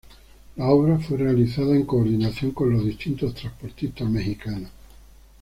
La obra fue realizada en coordinación con los distintos transportistas mexicanos.